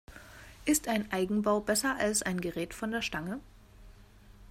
Ist ein Eigenbau besser als ein Gerät von der Stange?